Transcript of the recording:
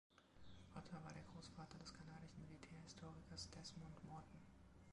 Otter war der Großvater des kanadischen Militärhistorikers Desmond Morton.